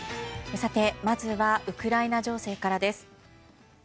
さて、まずはウクライナ情勢からです。